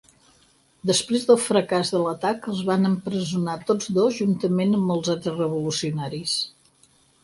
Després del fracàs de l'atac, els van empresonar tots dos juntament amb molts altres revolucionaris.